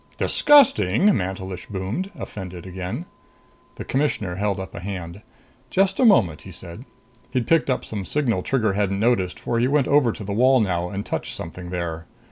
"Disgusting!" Mantelish boomed, offended again. The Commissioner held up a hand. "Just a moment," he said. He'd picked up some signal Trigger hadn't noticed, for he went over to the wall now and touched something there.